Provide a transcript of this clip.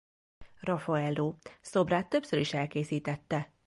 Raffaello szobrát többször is elkészítette.